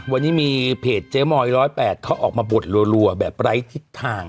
วันนี้มีเพจเจ๊มอย๑๐๘เขาออกมาบดรัวแบบไร้ทิศทาง